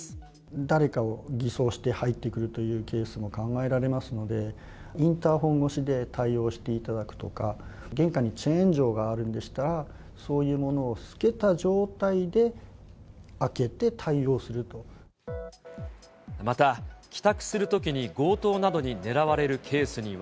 誰かを偽装して入ってくるというケースも考えられますので、インターホン越しで対応していただくとか、玄関にチェーン錠があるんでしたら、そういうものをつけた状態でまた、帰宅するときに強盗などに狙われるケースには。